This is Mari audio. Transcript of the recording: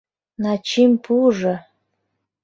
Начим пуыжо...